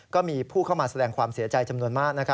ก็มีผู้เข้ามาแสดงความเสียใจจำนวนมาก